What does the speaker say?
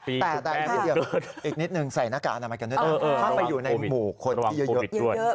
อีกนิดหนึ่งใส่หน้ากากน้ำมัยกันด้วยนะถ้าไปอยู่ในหมู่คนเยอะ